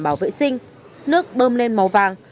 bảo vệ sinh nước bơm lên màu vàng